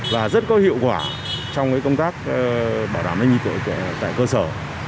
và rất có hiệu quả trong công tác bảo đảm an ninh tội tại cơ sở